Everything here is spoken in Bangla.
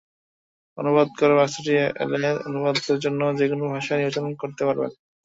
অনুবাদ করার বক্সটি এলে অনুবাদ করার জন্য যেকোনো ভাষা নির্বাচন করতে পারবেন।